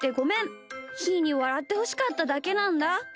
ひーにわらってほしかっただけなんだ。